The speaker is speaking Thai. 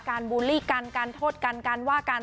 บูลลี่กันการโทษกันการว่ากัน